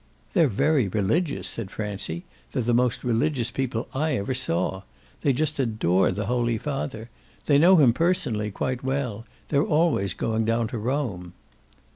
"They're very religious," said Francie. "They're the most religious people I ever saw. They just adore the Holy Father. They know him personally quite well. They're always going down to Rome."